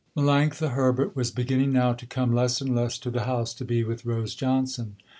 Melanctha Herbert was beginning now to come less and less to the house to be with Rose Johnson.